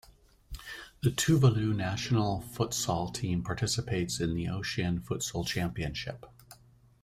The Tuvalu national futsal team participates in the Oceanian Futsal Championship.